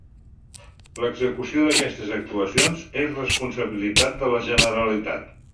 L'execució d'aquestes actuacions és responsabilitat de la Generalitat.